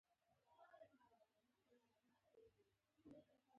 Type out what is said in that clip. د بدخشان لاجورد زرګونه کاله لرغونی تاریخ لري.